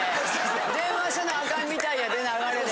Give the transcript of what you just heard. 電話せなあかんみたいやで流れで。